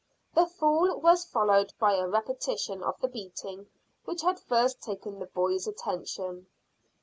The fall was followed by a repetition of the beating which had first taken the boy's attention.